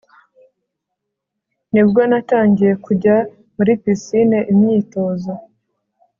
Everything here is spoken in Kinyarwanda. Nibwo natangiye kujya muri pisine imyitozo